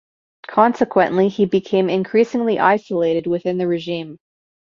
Consequently, he became increasingly isolated within the regime.